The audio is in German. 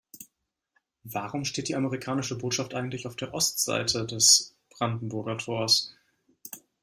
Warum steht die amerikanische Botschaft eigentlich auf der Ostseite des Brandenburger Tors?